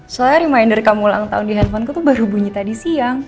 soalnya reminder kamu ulang tahun di handphone ku tuh baru bunyi tadi siang